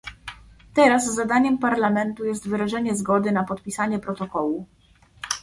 Teraz zadaniem Parlamentu jest wyrażenie zgody na podpisanie protokołu